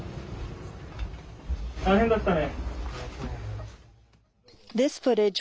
大変だったね。